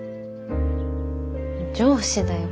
上司だよ